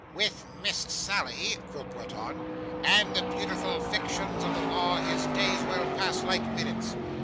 'With Miss Sally,' Quilp went on, 'and the beautiful fictions of the law, his days will pass like minutes.